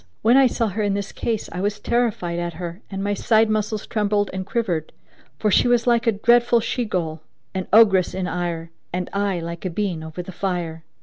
When I saw her in this case I was terrified at her and my side muscles trembled and quivered, for she was like a dreadful she Ghul, an ogress in ire, and I like a bean over the fire.